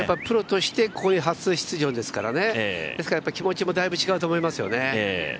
プロとして初出場ですからねですから、気持ちもだいぶ、違うと思いますね。